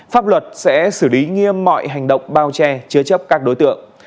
pháp luật sẽ xử lý nghiêm mọi hành động bao che chứa chấp các đối tượng